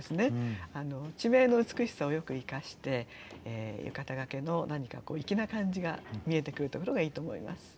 地名の美しさをよく生かして浴衣がけの何か粋な感じが見えてくるところがいいと思います。